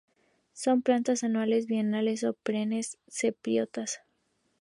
Son plantas anuales, bienales o perennes, cespitosas.